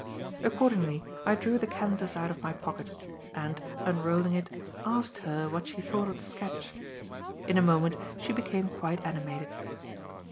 Accordingly, I drew the canvas out of my pocket, and, unrolling it, asked her what she thought of the sketch. In a moment she became quite animated.